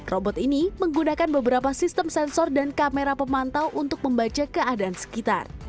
robot ini menggunakan beberapa sistem sensor dan kamera pemantau untuk membaca keadaan sekitar